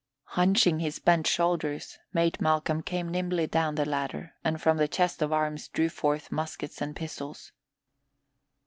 Hunching his bent shoulders, Mate Malcolm came nimbly down the ladder and from the chest of arms drew forth muskets and pistols.